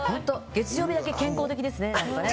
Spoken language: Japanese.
月曜日だけ健康的ですね